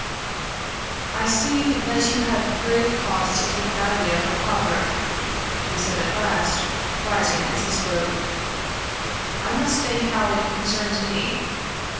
"I see that you have grave cause to think badly of her father," he said at last, rising as he spoke. "I must think how it concerns me.